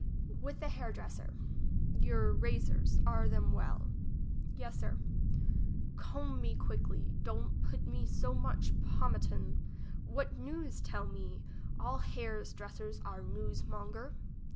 IFith a liair dresser. Your razors, are them well ? Yes, Sir. Comb me quickly ; don't put me so much po matum. What news tell me? all hairs dresser are newsmonger.